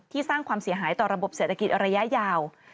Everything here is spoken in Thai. สร้างความเสียหายต่อระบบเศรษฐกิจระยะยาว